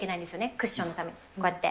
クッションのために、こうやって。